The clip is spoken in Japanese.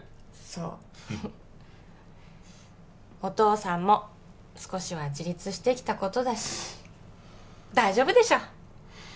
そうお父さんも少しは自立してきたことだし大丈夫でしょ！